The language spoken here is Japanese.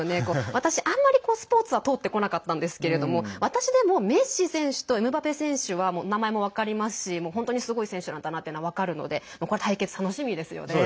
私、あんまりスポーツは通ってこなかったんですけれども私でもメッシ選手とエムバペ選手は名前も分かりますし本当にすごい選手なんだなっていうのは分かるのでこれは対決楽しみですよね。